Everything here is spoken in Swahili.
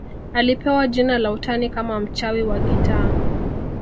Alipewa jina la utani kama mchawi wa gitaa